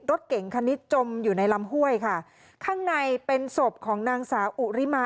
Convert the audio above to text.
รถเก่งคันนี้จมอยู่ในลำห้วยค่ะข้างในเป็นศพของนางสาวอุริมา